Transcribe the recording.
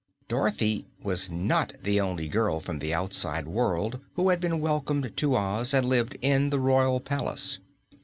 Dorothy was not the only girl from the outside world who had been welcomed to Oz and lived in the royal palace.